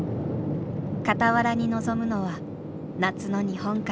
傍らに望むのは夏の日本海。